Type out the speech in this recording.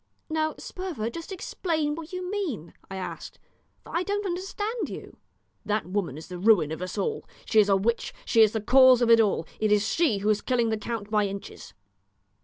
"Now, Sperver, just explain what you mean," I asked, "for I don't understand you." "That woman is the ruin of us all. She is a witch. She is the cause of it all. It is she who is killing the count by inches."